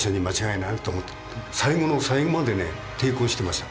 最後の最後まで抵抗してました。